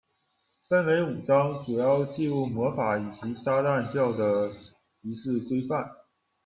分为五章，主要纪录魔法以及撒旦教的仪式规范。